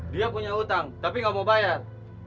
dia punya hutang tapi gak mau bayar